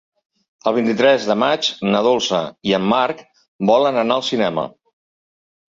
El vint-i-tres de maig na Dolça i en Marc volen anar al cinema.